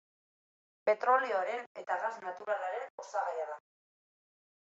Petrolioaren eta gas naturalaren osagaia da.